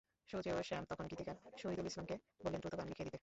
সুজেয় শ্যাম তখন গীতিকার শহীদুল ইসলামকে বললেন দ্রুত গান লিখে দিতে।